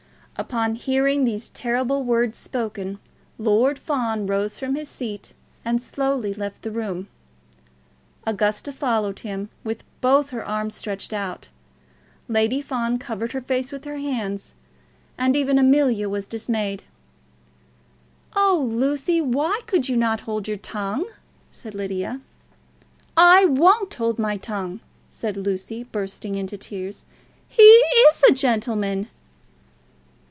Upon hearing these terrible words spoken, Lord Fawn rose from his seat and slowly left the room. Augusta followed him with both her arms stretched out. Lady Fawn covered her face with her hands, and even Amelia was dismayed. "Oh, Lucy! why could you not hold your tongue?" said Lydia. "I won't hold my tongue!" said Lucy, bursting out into tears. "He is a gentleman."